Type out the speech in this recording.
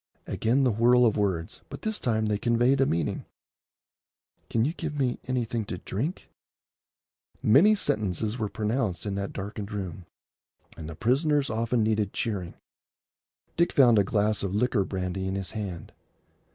Again the whirl of words, but this time they conveyed a meaning. "Can you give me anything to drink?" Many sentences were pronounced in that darkened room, and the prisoners often needed cheering. Dick found a glass of liqueur brandy in his hand.